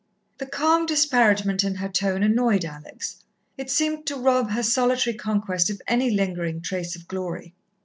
The calm disparagement in her tone annoyed Alex. It seemed to rob her solitary conquest of any lingering trace of glory.